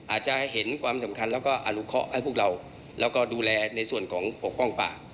อาจจะเห็นความสำคัญแล้วก็อนุเคาะให้พวกเราแล้วก็ดูแลในส่วนของปกป้องป่า